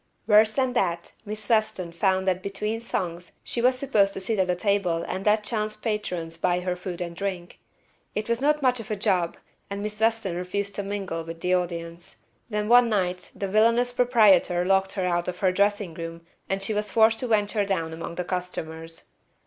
Worse than that, Miss Weston found that between songs she was supposed to sit at a table and let chance patrons buy her food and drink. It was not much of a job and Miss Weston refused to mingle with the audience. Then one night the villainous proprietor locked her out of her dressing room and she was forced to venture down among the customers.